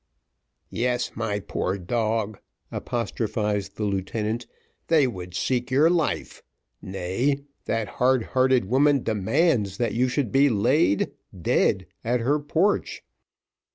"Yes, my poor dog," apostrophised the lieutenant, "they would seek your life nay, that hard hearted woman demands that you should be laid dead at her porch.